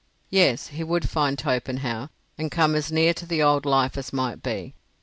Yes, he would find Torpenhow, and come as near to the old life as might be.